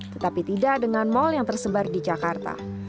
tetapi tidak dengan mal yang tersebar di jakarta